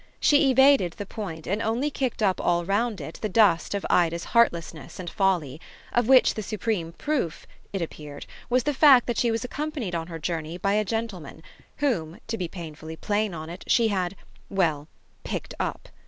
She evaded the point and only kicked up all round it the dust of Ida's heartlessness and folly, of which the supreme proof, it appeared, was the fact that she was accompanied on her journey by a gentleman whom, to be painfully plain on it, she had well, "picked up."